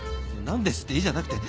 「何ですって？」じゃなくて。